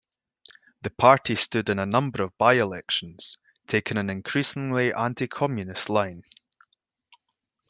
The party stood in a number of by-elections, taking an increasingly anti-communist line.